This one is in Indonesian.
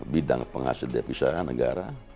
bidang penghasil depisah negara